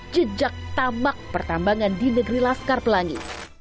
jejak tamak pertambangan di negeri laskar pelangi